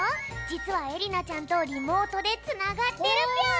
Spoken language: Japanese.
じつはえりなちゃんとリモートでつながってるぴょん！